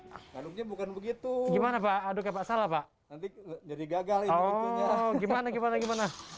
aduknya bukan begitu gimana pak aduknya pak salah pak jadi gagal oh gimana gimana gimana